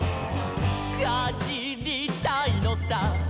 「かじりたいのさ」